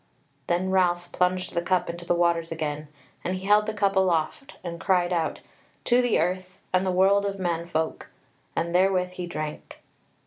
Then Ralph plunged the cup into the waters again, and he held the cup aloft, and cried out: "To the Earth, and the World of Manfolk!" and therewith he drank.